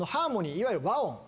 いわゆる和音。